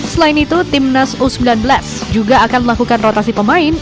selain itu timnas u sembilan belas juga akan melakukan rotasi pemain